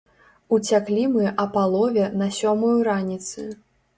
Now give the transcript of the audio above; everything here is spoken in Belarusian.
Уцяклі мы а палове на сёмую раніцы.